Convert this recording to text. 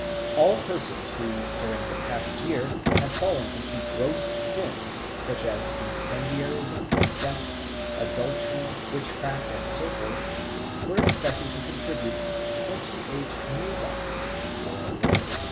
All persons who, during the past year, had fallen into gross sins, such as incendiarism, theft, adultery, witchcraft, and so forth, were expected to contribute 28 ngugas, or a little over £2.